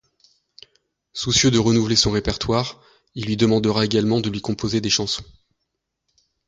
Soucieux de renouveler son répertoire, il lui demandera également de lui composer des chansons.